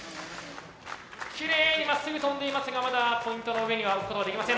きれいにまっすぐ飛んでいますがまだポイントの上には置くことができません。